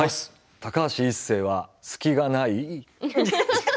「高橋一生は隙がない」。